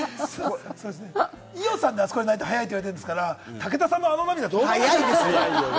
伊代さん、あそこで泣いて、早いと言われてるんですから、武田さんのあの涙、どうなんですか？